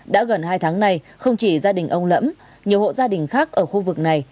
đã gần hai tháng này không chỉ gia đình ông lẫm nhiều hộ gia đình khác ở khu vực này